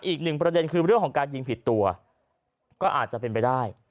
อีกหนึ่งประเด็นคือเรื่องของการยิงผิดตัวก็อาจจะเป็นไปได้